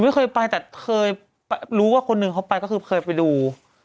ไม่เคยไปแต่เคยรู้ว่าคนหนึ่งเขาไปก็คือเคยไปดู